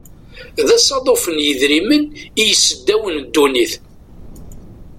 D asaḍuf n yidrimen i yesseddawen ddunit.